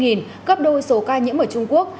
gấp đôi số ca nhiễm ở trung quốc